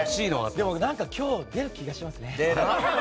でも今日、出る気がしますね。